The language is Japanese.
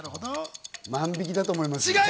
万引きだと思います。